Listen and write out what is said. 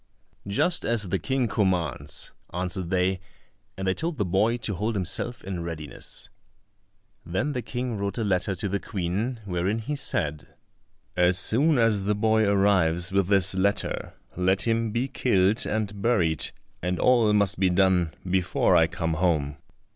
"Just as the King commands," answered they, and they told the boy to hold himself in readiness. Then the King wrote a letter to the Queen, wherein he said, "As soon as the boy arrives with this letter, let him be killed and buried, and all must be done before I come home."